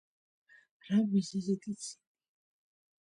რა მიზეზით იცინი